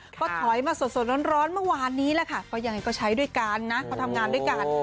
ก็ถอยมาสดร้อนเมื่อวานนี้แหละค่ะเพราะยังไงก็ใช้ด้วยกันนะเขาทำงานด้วยกัน